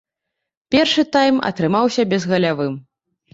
Першы тайм атрымаўся безгалявым.